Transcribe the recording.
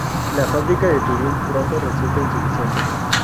La fábrica de Turín pronto resulta insuficiente.